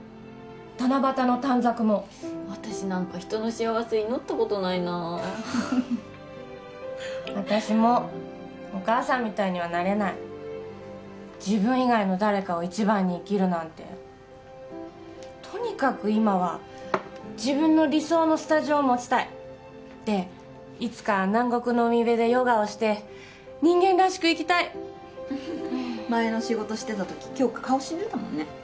七夕の短冊も私なんか人の幸せ祈ったことないな私もお母さんみたいにはなれない自分以外の誰かを一番に生きるなんてとにかく今は自分の理想のスタジオを持ちたいでいつか南国の海辺でヨガをして人間らしく生きたい前の仕事してた時杏花顔死んでたもんね